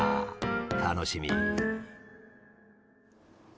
楽しみ。